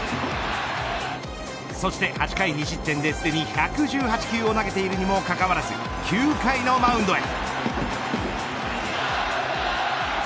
そして８回２失点で、すでに１１８球を投げているにもかかわらず９回のマウンドへ。